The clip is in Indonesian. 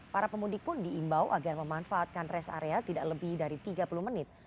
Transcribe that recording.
para pemudik pun diimbau agar memanfaatkan rest area tidak lebih dari tiga puluh menit